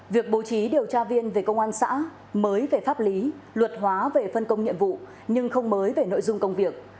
việc bố trí điều tra viên về công an xã mới về pháp lý luật hóa về phân công nhiệm vụ nhưng không mới về nội dung công việc